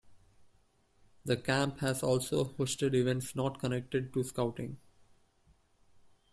The camp has also hosted events not connected to Scouting.